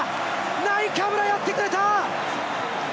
ナイカブラがやってくれた！